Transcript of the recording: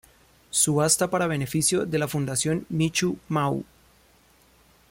Subasta para beneficio de la Fundación Michu-Mau.